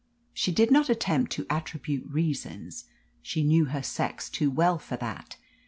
She did not attempt to attribute reasons. She knew her sex too well for that.